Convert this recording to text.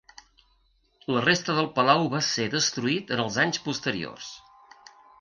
La resta del palau va ser destruït en els anys posteriors.